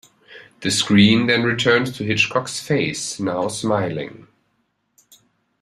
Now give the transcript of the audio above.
The screen then returns to Hitchcock's face, now smiling.